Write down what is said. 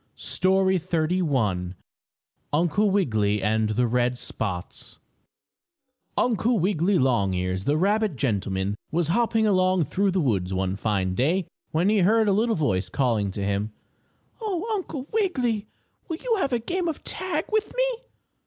STORY XXXI UNCLE WIGGILY AND THE RED SPOTS Uncle Wiggily Longears, the rabbit gentleman, was hopping along through the woods one fine day when he heard a little voice calling to him: "Oh, Uncle Wiggily! Will you have a game of tag with me?"